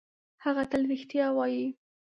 هغه تل رښتیا وايي.